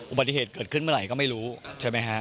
อุบัติเหตุเกิดขึ้นเมื่อไหร่ก็ไม่รู้ใช่ไหมฮะ